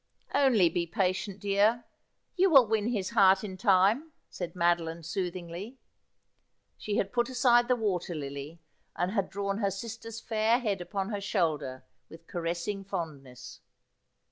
' Oidy be patient, dear. You will win his heart in time,' said 52 Asphodel. Madeline soothingly. She had put aside the water lily, and had drawn her sister's fair head upon her shoulder with caressing fondness.